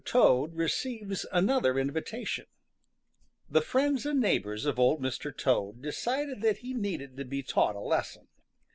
TOAD RECEIVES ANOTHER INVITATION The friends and neighbors of Old Mr. Toad decided that he needed to be taught a lesson.